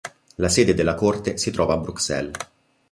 La sede della Corte si trova a Bruxelles.